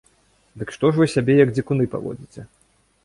Дык што ж вы сябе, як дзікуны паводзіце?